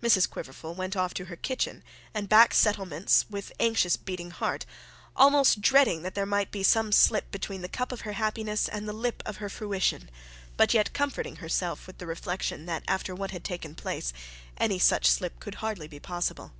Mrs Quiverful went off to her kitchen and back settlements with anxious beating heart, almost dreading that there might be some slip between the cup of her happiness and the lip of her fruition, but yet comforting herself with the reflection that after what had taken place, any such slip could hardly be possible.